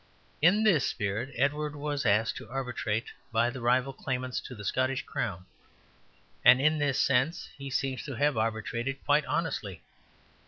In this spirit Edward was asked to arbitrate by the rival claimants to the Scottish crown; and in this sense he seems to have arbitrated quite honestly.